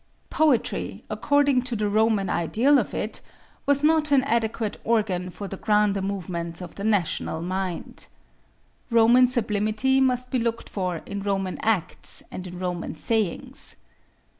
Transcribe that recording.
Poetry, according to the Roman ideal of it, was not an adequate organ for the grander movements of the national mind. Roman sublimity must be looked for in Roman acts, and in Roman sayings.